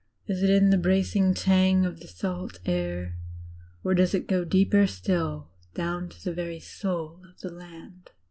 Is it in the bracing tang of the salt air? Or does it go deeper still, down to the very soul of the land?